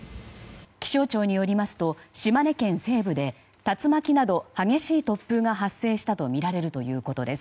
気象庁によりますと島根県西部で、竜巻など激しい突風が発生したとみられるということです。